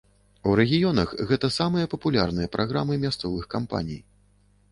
У рэгіёнах гэта самыя папулярныя праграмы мясцовых кампаній.